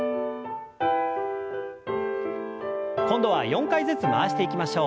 今度は４回ずつ回していきましょう。